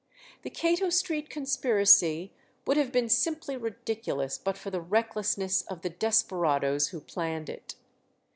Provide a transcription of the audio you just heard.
The Cato Street conspiracy would have been simply ridiculous but for the recklessness of the desperadoes who planned it.